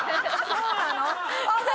そうなの！？